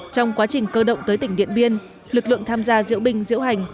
trong quá trình cơ động tới tỉnh điện biên lực lượng tham gia diễu binh diễu hành